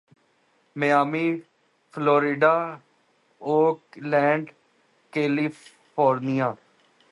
Miami Florida Oakland California